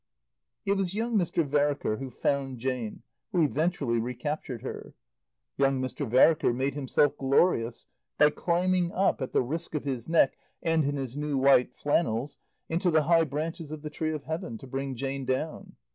It was young Mr. Vereker who found Jane, who eventually recaptured her. Young Mr. Vereker made himself glorious by climbing up, at the risk of his neck and in his new white flannels, into the high branches of the tree of Heaven, to bring Jane down.